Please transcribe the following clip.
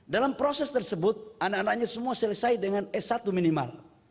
dalam proses tersebut anak anaknya semua selesai dengan s satu minimal